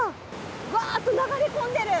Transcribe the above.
わっと流れ込んでる。